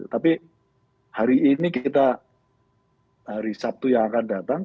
tapi hari ini kita hari sabtu yang akan datang